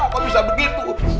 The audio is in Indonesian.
kok bisa begitu